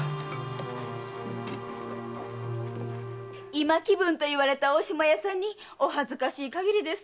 「今紀文」と言われた大島屋さんにお恥ずかしいかぎりですけど。